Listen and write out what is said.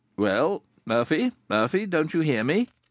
Well, Murphy, Murphy, don't you hear me?"